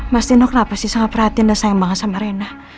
mas dino kenapa sih sangat perhatiin dan sayang banget sama rena